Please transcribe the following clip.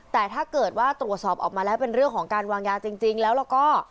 แต่ถ้าเกิดว่าตรวจสอบออกมาแล้วเป็นเรื่องของการวางยาจริงแล้วแล้วก็